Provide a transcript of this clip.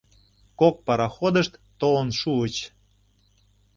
Кок пароходышт толын шуыч.